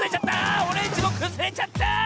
オレンジもくずれちゃった！